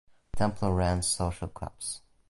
Templer ran social clubs.